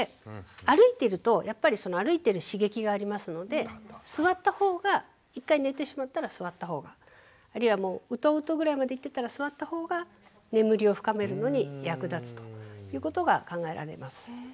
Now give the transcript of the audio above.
歩いてるとやっぱりその歩いてる刺激がありますので座ったほうが１回寝てしまったら座ったほうがあるいはウトウトぐらいまでいってたら座ったほうが眠りを深めるのに役立つということが考えられます。